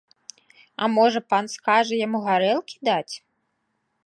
А можа, пан скажа яму гарэлкі даць?